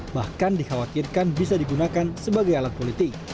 bahkan dikhawatirkan bisa digunakan sebagai alat politik